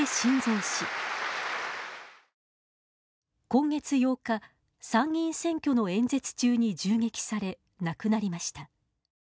今月８日、参議院選挙の演説中に銃撃され、亡くなりました。